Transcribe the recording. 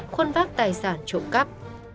khuôn vác tài sản trộm cắp